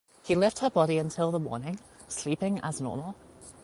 He left her body until the morning, sleeping as normal.